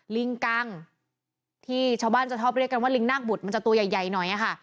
ลิงกังที่ชาวบ้านจะชอบเรียกกันว่าลิงนาคบุตรมันจะตัวใหญ่หน่อยค่ะ